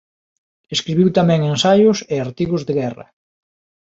Escribiu tamén ensaios e artigos de guerra.